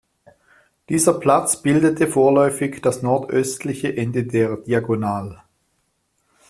Dieser Platz bildete vorläufig das nordöstliche Ende der "Diagonal".